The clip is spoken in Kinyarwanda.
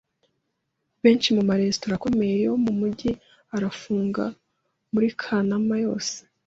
Benshi mu maresitora akomeye yo mu mujyi arafunga muri Kanama yose.